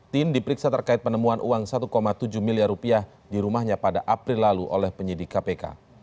tin diperiksa terkait penemuan uang satu tujuh miliar rupiah di rumahnya pada april lalu oleh penyidik kpk